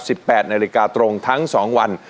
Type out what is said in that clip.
แปดนาฬิกาตรงทั้งสองวัน